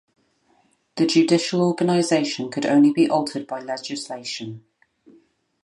The judicial organization could only be altered by legislation.